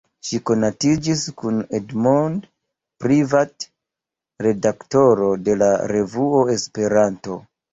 Ŝi konatiĝis kun Edmond Privat, redaktoro de la revuo "Esperanto".